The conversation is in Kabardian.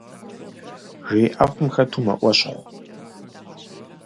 Жей ӏэфӏым хэту мэӏуэщхъу.